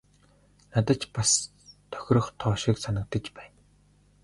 Надад ч бас тохирох тоо шиг санагдаж байна.